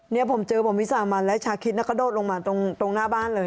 เนี่ยผมเจอผมวิสามันแล้วชาคิดกระโดดลงมาตรงหน้าบ้านเลย